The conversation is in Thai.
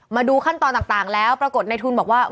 มาดูขั้นตอนต่างแล้วปรากฏในทุนบอกว่า